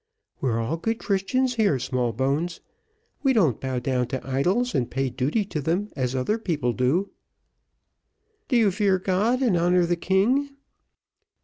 "We're all good Christians here, Smallbones; we don't bow down to idols and pay duty to them as other people do." "Do you fear God, and honour the king?"